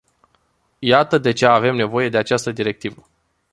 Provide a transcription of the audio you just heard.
Iată de ce avem nevoie de această directivă.